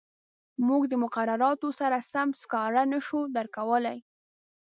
موږ د مقرراتو سره سم سکاره نه شو درکولای.